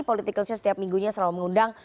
political show setiap minggunya selalu mengundang